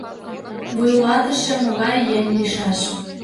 Вуйлатыше могай еҥ лийшаш?